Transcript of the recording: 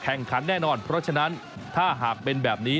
ขันแน่นอนเพราะฉะนั้นถ้าหากเป็นแบบนี้